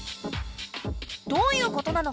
どういうことなのか。